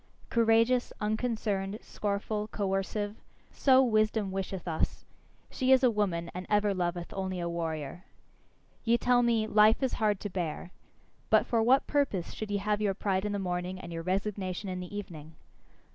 Courageous, unconcerned, scornful, coercive so wisdom wisheth us; she is a woman, and ever loveth only a warrior. Ye tell me, "Life is hard to bear." But for what purpose should ye have your pride in the morning and your resignation in the evening?